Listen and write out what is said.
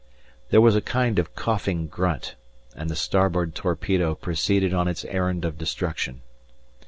There was a kind of coughing grunt, and the starboard torpedo proceeded on its errand of destruction.